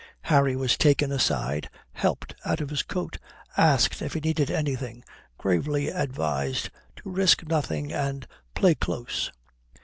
Harry was taken aside, helped out of his coat, asked if he needed anything, gravely advised to risk nothing and play close.